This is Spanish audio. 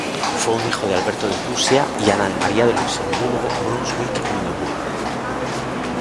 Fue un hijo de Alberto de Prusia y Ana María de Brunswick-Luneburgo.